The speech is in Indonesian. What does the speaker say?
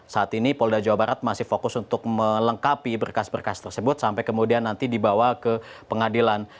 saat ini polda jawa barat masih fokus untuk melengkapi berkas berkas tersebut sampai kemudian nanti dibawa ke pengadilan